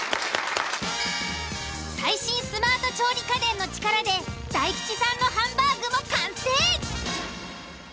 最新スマート調理家電の力で大吉さんのハンバーグも完成！